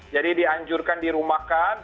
jadi dianjurkan dirumahkan